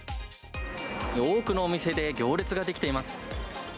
多くのお店で行列が出来ています。